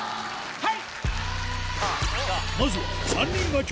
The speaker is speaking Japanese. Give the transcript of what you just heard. はい！